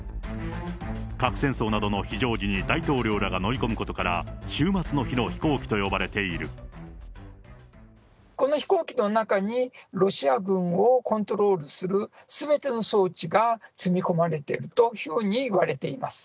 核戦争などの非常時に大統領らが乗り込むことから、この飛行機の中に、ロシア軍をコントロールするすべての装置が積み込まれているというふうに言われています。